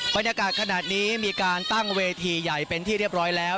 บรรยากาศขนาดนี้มีการตั้งเวทีใหญ่เป็นที่เรียบร้อยแล้ว